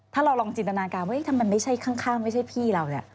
ถ้าเราลองจินตนาการว่าถ้ามันไม่ใช่ข้างไม่ใช่พี่เราเนี่ย